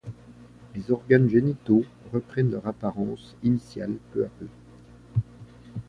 Les organes génitaux reprennent leur apparence initiale peu à peu.